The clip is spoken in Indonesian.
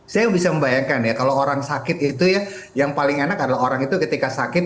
saya bisa membayangkan ya kalau orang sakit itu ya yang paling enak adalah orang itu ketika sakit